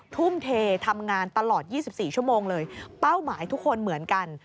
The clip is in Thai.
ทุ่มเททำงานตลอด๒๔ชั่วโมงเลยเป้าหมายทุกคนเหมือนกัน